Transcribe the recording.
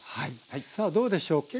さあどうでしょう